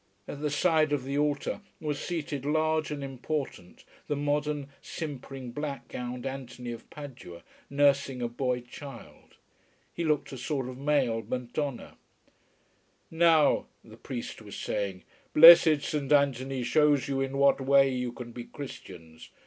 At the side of the altar was seated large and important the modern, simpering, black gowned Anthony of Padua, nursing a boy child. He looked a sort of male Madonna. "Now," the priest was saying, "blessed Saint Anthony shows you in what way you can be Christians.